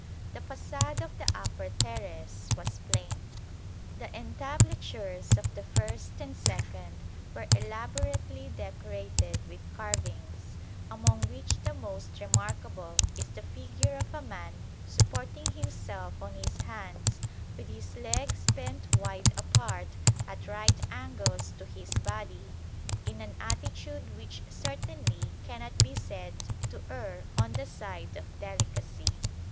The façade of the upper terrace was plain. The entablatures of the first and second were elaborately decorated with carvings, among which the most remarkable is the figure of a man supporting himself on his hands with his legs bent wide apart at right angles to his body in an attitude which certainly cannot be said to err on the side of delicacy.